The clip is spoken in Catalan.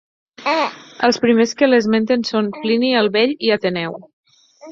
Els primers que l'esmenten són Plini el Vell i Ateneu.